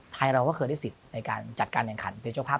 ไทยเราก็เคยได้สิทธิ์ในการจัดการแข่งขันเป็นเจ้าภาพ